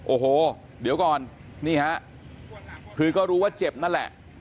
โอ้โหเดี๋ยวก่อนนี่ฮะคือก็รู้ว่าเจ็บนั่นแหละ